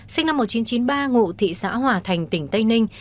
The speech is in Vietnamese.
sinh năm một nghìn chín trăm chín mươi ba ngụ thị xã hòa thành tỉnh tây ninh